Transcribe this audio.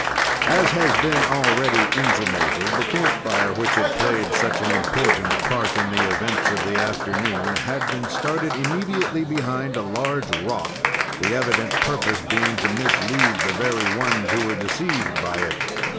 As has been already intimated, the camp fire, which had played such an important part in the events of the afternoon had been started immediately behind a large rock, the evident purpose being to mislead the very ones who were deceived by it.